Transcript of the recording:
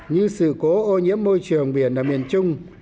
như sự cố ô nhiễm môi trường biển ở miền trung